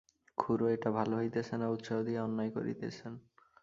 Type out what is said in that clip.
খুড়ো, এটা ভালো হইতেছে না, উৎসাহ দিয়া অন্যায় করিতেছেন।